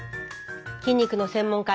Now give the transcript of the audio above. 筋肉の専門家